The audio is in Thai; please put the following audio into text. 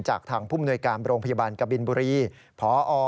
จากทางผู้มนวยการโรงพยาบาลกบินบุรีพอ